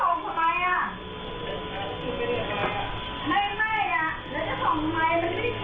ห่องเขามายไม่ได้ปากเบีอะไรเลย